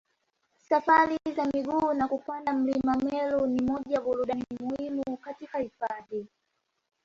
Safari za miguu na kupanda mlima Meru ni moja ya burudani muhimu katika hifadhi